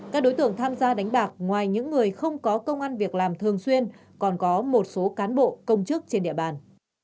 các đối tượng tham gia đánh bạc ngoài những người không có công an việc làm thường xuyên còn có một số cán bộ công chức trên địa bàn